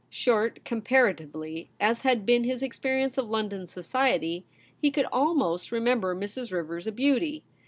Short, comparatively, as had been his experience of London society, he could almost remember Mrs. Rivers a beauty.